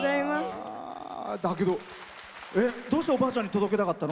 だけど、どうしておばあちゃんに届けたかったの？